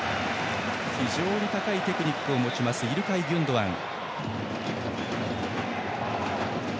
非常に高いテクニックを持つイルカイ・ギュンドアン。